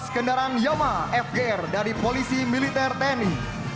dua belas kendaraan yoma fgr dari polisi militer tni